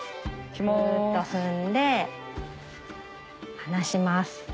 ぎゅっと踏んで離します。